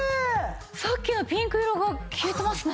さっきのピンク色が消えてますね。